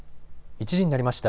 １時になりました。